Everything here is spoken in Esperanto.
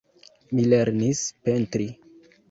Mi lernis pentri.